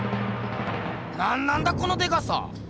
なんなんだこのでかさ！